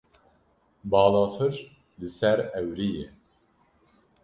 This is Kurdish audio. Balafir li ser ewrî ye.